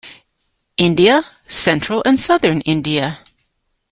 India, Central and southern India.